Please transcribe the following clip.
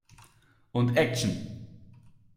Und Action!